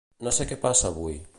No sé què passa avui.